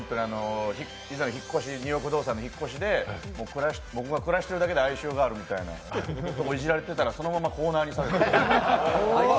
「ニューヨーク不動産」の引っ越しで僕が暮らしてるだけで哀愁があるみたいなことをイジられてたらそのままコーナーにされて。